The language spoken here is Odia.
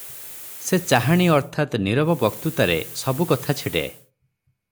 ସେ ଚାହାଣୀ ଅର୍ଥାତ୍ ନୀରବ ବକ୍ତୃତାରେ ସବୁ କଥା ଛିଡ଼େ ।